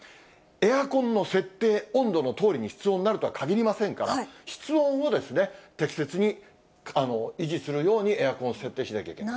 エアコンの設定温度のとおりに室温なるとはかぎりませんから、室温を適切に維持するように、エアコンを設定しなきゃいけない。